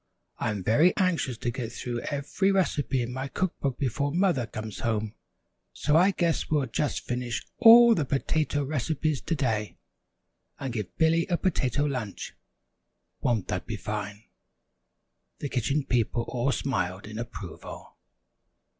"I am very anxious to get through every recipe in my cook book before Mother comes home, so I guess we'll just finish all the potato recipes to day, and give Billy a Potato Lunch! Won't that be fine?" The Kitchen People all smiled in approval.